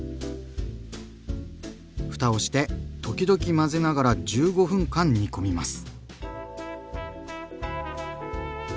ふたをして時々混ぜながら１５分間煮込みます。